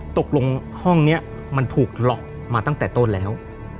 ตกลงห้องนี้มันถูกล็อกมาตั้งแต่ต้นแล้ว